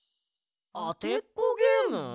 あてっこゲーム？